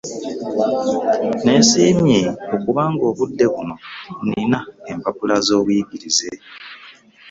nneesiimye okuba nga obudde buno nnina empapula z'obuyigirize.